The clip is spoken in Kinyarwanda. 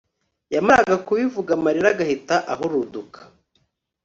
yamaraga kubivuga amarira agahita ahuruduka